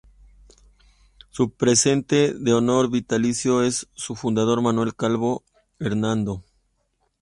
Su presidente de honor vitalicio es su fundador, Manuel Calvo Hernando.